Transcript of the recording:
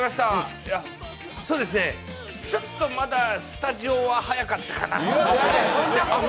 ちょっとまだスタジオは早かったかなぁ。